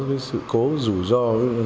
cái sự cố rủi ro